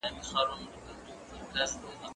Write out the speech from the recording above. زه مخکي ښوونځی ته تللی و؟!